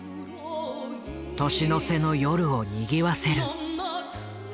年の瀬の夜をにぎわせる。